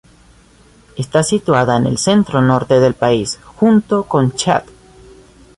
Está situada en el centro-norte del país, junto con Chad.